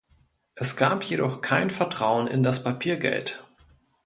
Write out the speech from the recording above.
Es gab jedoch kein Vertrauen in das Papiergeld.